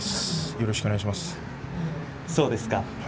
よろしくお願いします。